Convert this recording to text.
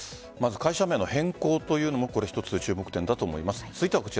会社名の変更というのも一つ注目点だと思います。